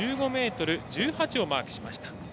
１５ｍ１８をマークしました。